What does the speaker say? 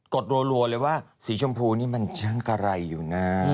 ดรัวเลยว่าสีชมพูนี่มันช่างกะไรอยู่นะ